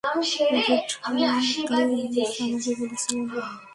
Radcliffe আমাকে বলেছিলেন, ভারত-পাকিস্তান কাশ্মীর নিয়ে যুদ্ধ করেছে জেনে তিনি বিস্মিত হয়েছিলেন।